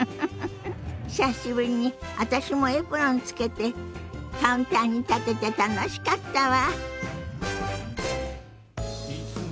久しぶりに私もエプロンつけてカウンターに立てて楽しかったわ。